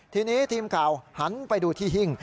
ทีนี้ทีมข่าวหันไปดูที่หิ้ง